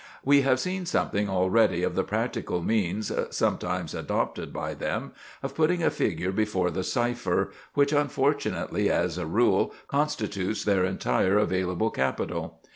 We have seen something already of the practical means, sometimes adopted by them, of putting a figure before the cipher, which unfortunately, as a rule, constitutes their entire available capital.